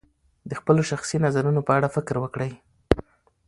د خپلو شخصي نظرونو په اړه فکر وکړئ.